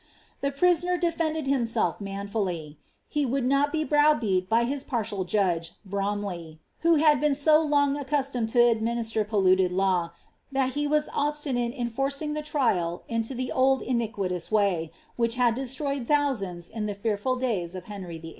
The prisoner defended himself ninnfully ; he would not be brow beat by his partial Judge, Bromley, who had been so lon^; accustomed to administer pol luted law, that he was obstinate in forcing the trial into the old iniqui tous wav, which had destroyed thousands in the fearful davs of Hennr VII.